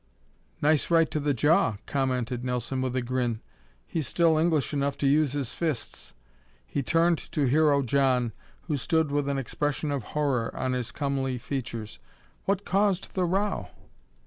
"Nice right to the jaw," commented Nelson with a grin. "He's still English enough to use his fists." He turned to Hero John, who stood with an expression of horror on his comely features. "What caused the row?"